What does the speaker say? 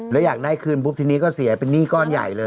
แล้วอยากได้คืนปุ๊บทีนี้ก็เสียเป็นหนี้ก้อนใหญ่เลย